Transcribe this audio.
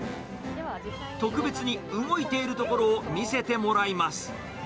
特別に動いているところを見せてもらいます。